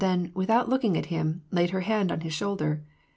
then, without looking at him, laid her hand on his shoulder.